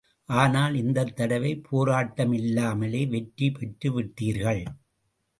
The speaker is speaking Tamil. ஆனால், இந்தத் தடவை போராட்டமில்லாமலே வெற்றி பெற்றுவிட்டீர்கள்!